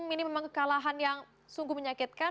ini memang kekalahan yang sungguh menyakitkan